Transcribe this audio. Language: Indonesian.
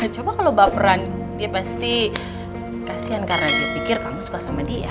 coba kalau baperan dia pasti kasihan karena dia pikir kamu suka sama dia